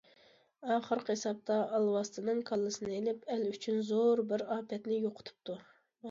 ئاخىرقى ھېسابتا ئالۋاستىنىڭ كاللىسىنى ئېلىپ، ئەل ئۈچۈن زور بىر ئاپەتنى يوقىتىپتۇ.